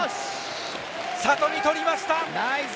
里見、取りました！